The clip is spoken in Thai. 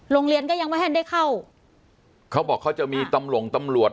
โรงเรียนก็ยังไม่ให้ได้เข้าเขาบอกเขาจะมีตำหลงตำรวจ